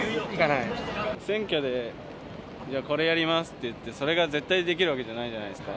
選挙でこれやりますって言って、それが絶対できるわけじゃないじゃないですか。